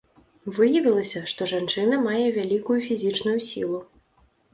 Выявілася, што жанчына мае вялікую фізічную сілу.